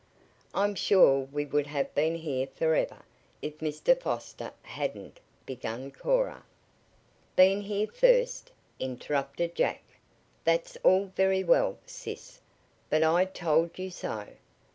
"I'm sure we would have been here forever if Mr. Foster hadn't " began Cora. "Been here first," interrupted Jack. "That's all very well, sis. But I told you so!